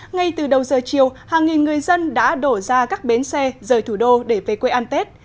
ngay từ đầu giờ chiều hàng nghìn người dân đã đổ ra các bến xe rời thủ đô để về quê ăn tết